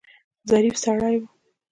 ظریف سړی و.